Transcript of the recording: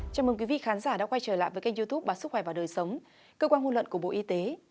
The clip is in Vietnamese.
chào mừng quý vị khán giả đã quay trở lại với kênh youtube báo sức khỏe và đời sống cơ quan ngôn luận của bộ y tế